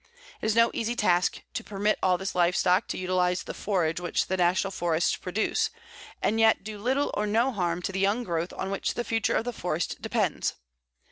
It is no easy task to permit all this live stock to utilize the forage which the National Forests produce, and yet do little or no harm to the young growth on which the future of the forest depends.